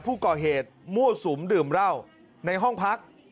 ผู้ก่อเหตุมั่วสุมดื่มเหล้าในห้องพัก